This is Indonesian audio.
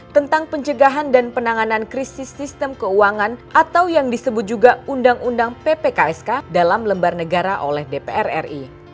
tentang pencegahan dan penanganan krisis sistem keuangan atau yang disebut juga undang undang ppksk dalam lembar negara oleh dpr ri